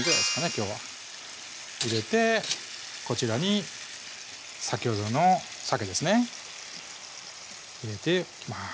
きょうは入れてこちらに先ほどのさけですね入れておきます